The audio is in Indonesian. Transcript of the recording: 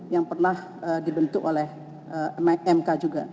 yang pernah dibentuk oleh mk juga